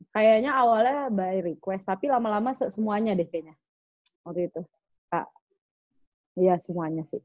kayaknya awalnya by request tapi lama lama semuanya deh kayaknya waktu itu ya semuanya sih